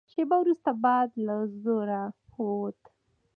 شېبه وروسته باد له زوره ووت.